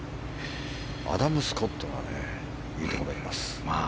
アダム・スコットがいいところにいます。